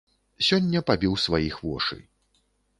Сёння пабіў сваіх вошы.